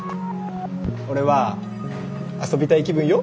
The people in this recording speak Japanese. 俺は遊びたい気分よ。